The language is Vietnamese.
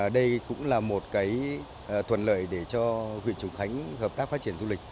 đây cũng là một thuận lợi để cho huyện trùng khánh hợp tác phát triển du lịch